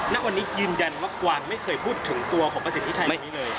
ณวันนี้ยืนยันว่ากวางไม่เคยพูดถึงตัวของประสิทธิชัยคนนี้เลย